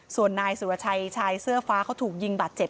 ส่วนนายสุรชัยชายเสื้อฟ้าเขาถูกยิงบาดเจ็บ